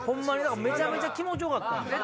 めちゃめちゃ気持ちよかった。